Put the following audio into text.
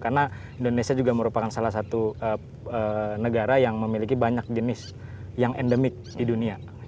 karena indonesia juga merupakan salah satu negara yang memiliki banyak jenis yang endemik di dunia